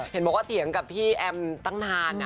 เห็นกับพี่สุดท้าย